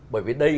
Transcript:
bởi vì đây